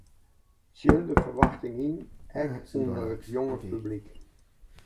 Tsjin de ferwachting yn ek ûnder in jong publyk.